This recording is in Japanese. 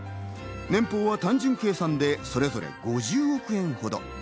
年俸は単純計算でそれぞれ５０億円ほど。